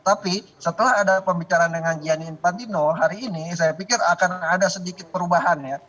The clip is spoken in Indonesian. tapi setelah ada pembicaraan dengan gianni infantino hari ini saya pikir akan ada sedikit perubahan ya